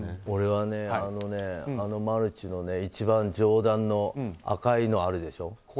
俺はね、あのマルチの一番上段の赤いのあるでしょ。